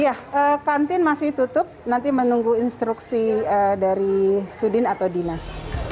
iya kantin masih tutup nanti menunggu instruksi dari sudin atau dinas